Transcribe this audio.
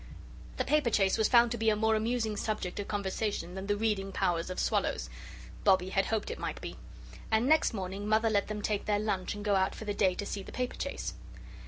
The paperchase was found to be a more amusing subject of conversation than the reading powers of swallows. Bobbie had hoped it might be. And next morning Mother let them take their lunch and go out for the day to see the paperchase.